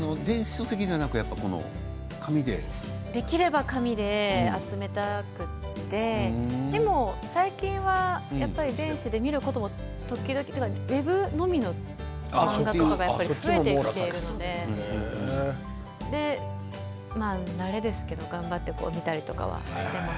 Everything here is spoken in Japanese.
できれば紙で集めたくてでも最近は電子で見ることも時々というかウェブのみの漫画とかが増えているので慣れですけれども頑張って見たりとかしています。